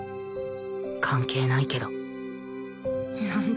関係ないけどなんだ？